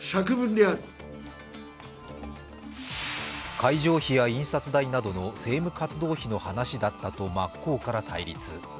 会場費や印刷代などの政務活動費だったと真っ向から反論。